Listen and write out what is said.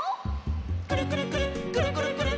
「くるくるくるっくるくるくるっ」